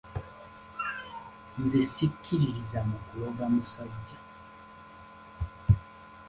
Nze sikkiririza mu kuloga musajja.